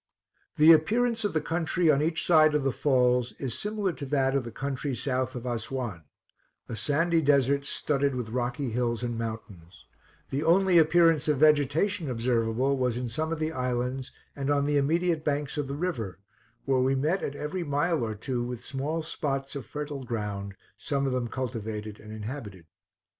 The appearance of the country on each side of the falls is similar to that of the country south of Assuan a sandy desert studded with rocky hills and mountains, The only appearance of vegetation observable was in some of the islands and on the immediate banks of the river, where we met at every mile or two with small spots of fertile ground, some of them cultivated and inhabited.